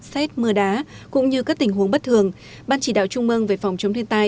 xét mưa đá cũng như các tình huống bất thường ban chỉ đạo trung mương về phòng chống thiên tai